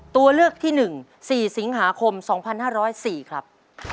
ตัวเลือกที่๑๔สิงหาคม๒๕๐๔ครับ